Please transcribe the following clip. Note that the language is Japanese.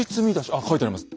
あっ書いてあります。